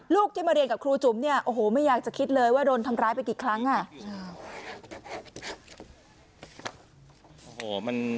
ลูกที่มาเรียนกับครูจุ๋มเนี่ยโอ้โหไม่อยากจะคิดเลยว่าโดนทำร้ายไปกี่ครั้งอ่ะ